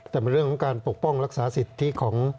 แต่มันเรื่องของการปกป้องรักษาสิทธิของ